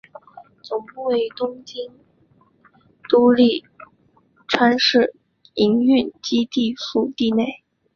总部位于东京都立川市营运基地敷地内。